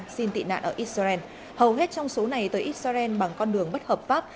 bị nạn ở israel hầu hết trong số này tới israel bằng con đường bất hợp pháp